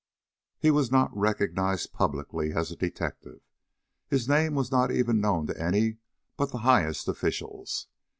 He was not recognized publicly as a detective. His name was not even known to any but the highest officials.